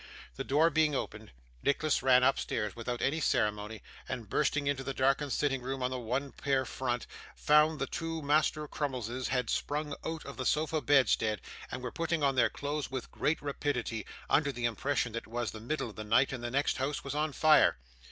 The door being opened, Nicholas ran upstairs without any ceremony, and bursting into the darkened sitting room on the one pair front, found that the two Master Crummleses had sprung out of the sofa bedstead and were putting on their clothes with great rapidity, under the impression that it was the middle of the night, and the next house was on fire.